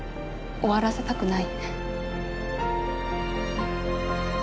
終わらせたくない。